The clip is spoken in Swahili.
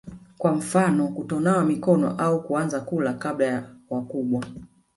kwa mfano kutonawa mikono au kuanza kula kabla ya wakubwa